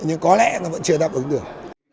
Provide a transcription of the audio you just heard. nhưng có lẽ nó vẫn chưa đáp ứng được